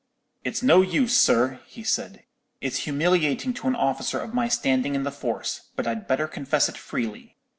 "'It's no use, sir,' he said; 'it's humiliating to an officer of my standing in the force; but I'd better confess it freely.